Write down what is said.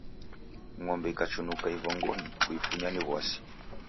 Ng'ombe ikachunuka ivongonyi, kuifunya ni w'asi.